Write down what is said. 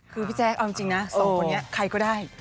คือพี่แจ๊คเอาจริงนะสองคนนี้ใครก็ได้